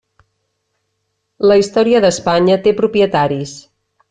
La història d'Espanya té propietaris.